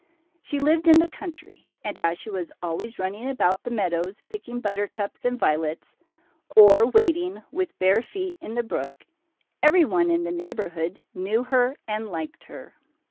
She lived in the country, and as she was always running about the meadows picking buttercups and violets, or wading with bare feet in the brook, every one in the neighborhood knew her and liked her.